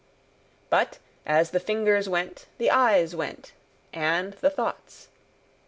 But, as the fingers went, the eyes went, and the thoughts.